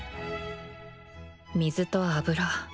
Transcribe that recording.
水と油。